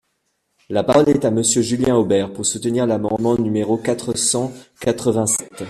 La parole est à Monsieur Julien Aubert, pour soutenir l’amendement numéro quatre cent quatre-vingt-sept.